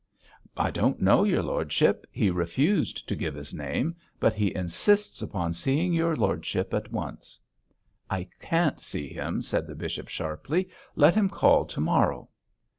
'I don't know, your lordship. He refused to give his name, but he insists upon seeing your lordship at once.' 'I can't see him!' said the bishop, sharply; 'let him call to morrow.'